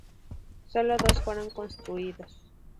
Sólo dos fueron construidos.